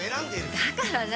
だから何？